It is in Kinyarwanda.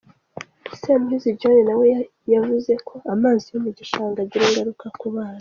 Semuhizi John na we yavuze ko amazi yo mu gishanga agira ingaruka ku bana.